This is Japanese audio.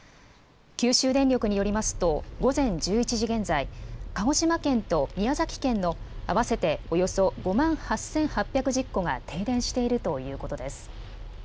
九州電力によりますと、午前１１時現在、鹿児島県と宮崎県の合わせておよそ５万８８１０戸が停電しているということです。